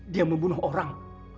dia membunuh orang